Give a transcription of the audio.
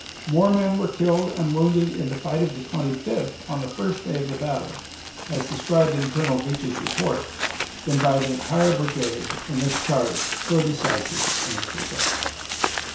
More men were killed and wounded in the fight of the Twenty fifth on the first day of the battle, as described in Colonel Veatch's report, than by the entire brigade in this charge so decisive in its result.